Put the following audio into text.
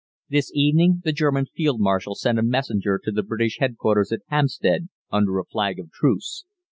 This evening the German Field Marshal sent a messenger to the British headquarters at Hampstead under a flag of truce.